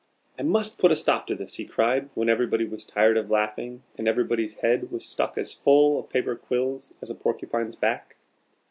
"I must put a stop to this," he cried, when everybody was tired of laughing, and everybody's head was stuck as full of paper quills as a porcupine's back.